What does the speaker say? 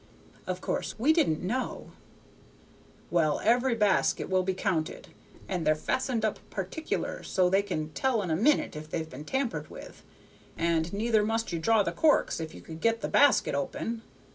Of course we didn't know. "Well, every basket will be counted, and they're fastened up particular, so they can tell in a minute if they've been tampered with; and neither must you draw the corks if you could get the basket open.